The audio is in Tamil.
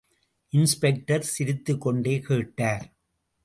இன்ஸ்பெக்டர் சிரித்துக் கொண்டே கேட்டார்.